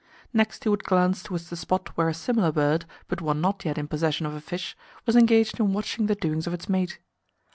Next he would glance towards the spot where a similar bird, but one not yet in possession of a fish, was engaged in watching the doings of its mate.